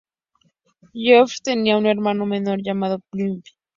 Sewell tenía un hermano menor llamado Phillip.